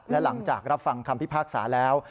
และหลังจากรับฟังคำพิพากษาแล้ว